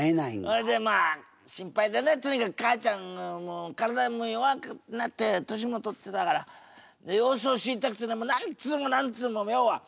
それでまあ心配でねとにかく母ちゃん体も弱くなって年も取ってたから様子を知りたくて何通も何通も要は。